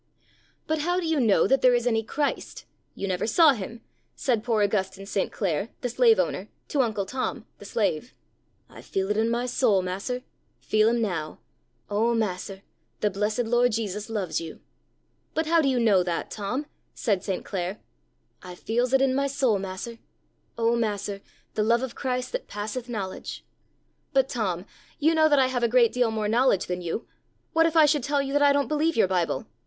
'"But how do you know that there is any Christ? You never saw Him!" said poor Augustine St. Clare, the slave owner, to Uncle Tom, the slave. '"I feel it in my soul, mas'r feel Him now! Oh, mas'r, the blessed Lord Jesus loves you!" '"But how do you know that, Tom?" said St. Clare. '"I feels it in my soul, mas'r; oh, mas'r, the love of Christ that passeth knowledge." '"But, Tom, you know that I have a great deal more knowledge than you; what if I should tell you that I don't believe your Bible?